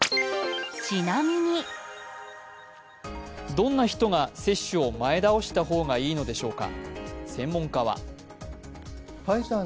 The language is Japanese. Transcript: どんな人が接種を前倒しにした方がいいのでしょうか。